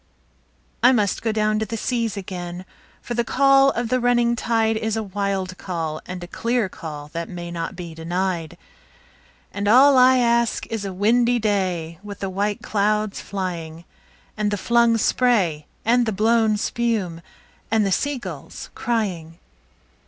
I must down go to the seas again, for the call of the running tide Is a wild call and a clear call that may not be denied; And all I ask is a windy day with the white clouds flying, And the flung spray and the blown spume, and the sea gulls crying.